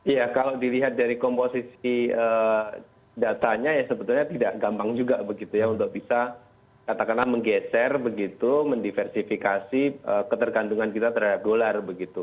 ya kalau dilihat dari komposisi datanya ya sebetulnya tidak gampang juga begitu ya untuk bisa katakanlah menggeser begitu mendiversifikasi ketergantungan kita terhadap dolar begitu